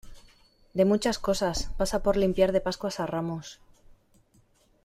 de muchas cosas. pasa por limpiar de Pascuas a Ramos .